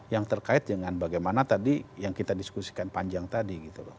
yang terkait dengan bagaimana tadi yang kita diskusikan panjang tadi gitu loh